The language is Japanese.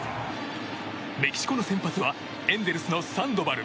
メキシコの先発はエンゼルスのサンドバル。